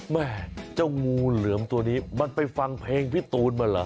แม่เจ้างูเหลือมตัวนี้มันไปฟังเพลงพี่ตูนมาเหรอ